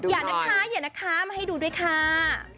อย่านะคะอย่านะคะมาให้ดูด้วยค่ะ